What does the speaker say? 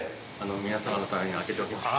皆さまのために開けておきました。